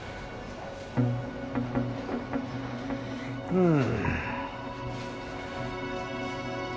うん。